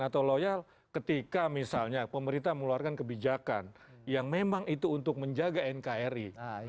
atau loyal ketika misalnya pemerintah mengeluarkan kebijakan yang memang itu untuk menjaga nkri